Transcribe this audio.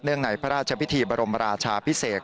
เนื่องไหนพระราชพิธีบรมราชาพิเศก